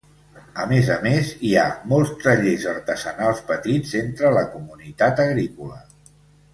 A més a més, hi ha molts tallers artesanals petits entre la comunitat agrícola.